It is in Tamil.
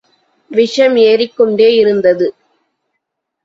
விஷம் ஏறிக் கொண்டே இருந்தது.